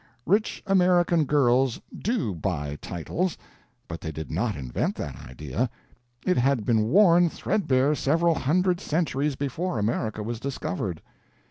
Rich American girls do buy titles, but they did not invent that idea; it had been worn threadbare several hundred centuries before America was discovered.